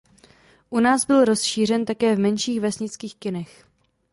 U nás byl rozšířen také v menších vesnických kinech.